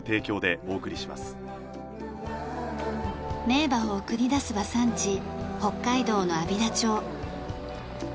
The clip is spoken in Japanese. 名馬を送り出す馬産地北海道の安平町。